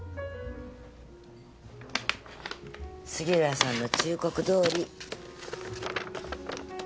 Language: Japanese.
杉浦さんの忠告どおり。